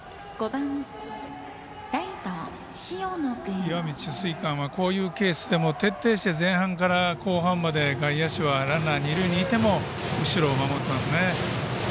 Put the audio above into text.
石見智翠館はこういうケースでも徹底して前半から後半まで外野手はランナー、二塁にいても後ろを守ってますね。